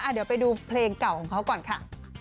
เดี๋ยวไปดูเพลงเก่าของเขาก่อนค่ะ